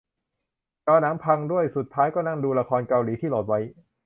จอหนังพังด้วย สุดท้ายก็นั่งดูละครเกาหลีที่โหลดไว้